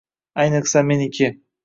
Ayniqsa meniki